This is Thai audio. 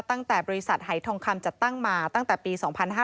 ตั้งแต่บริษัทหายทองคำจัดตั้งมาตั้งแต่ปี๒๕๕๙